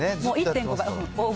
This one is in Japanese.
１．５倍で。